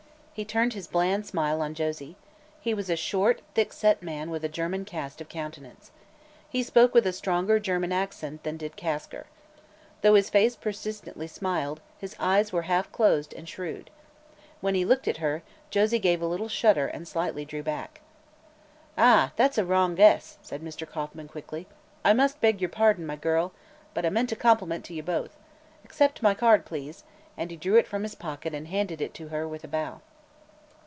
He turned his bland smile on Josie. He was a short, thickset man with a German cast of countenance. He spoke with a stronger German accent than did Kasker. Though his face persistently smiled, his eyes were half closed and shrewd. When he looked at her, Josie gave a little shudder and slightly drew back. "Ah, that's a wrong guess," said Mr. Kauffman quickly. "I must beg your pardon, my girl. But I meant a compliment to you both. Accept my card, please," and he drew it from his pocket and handed it to her with a bow.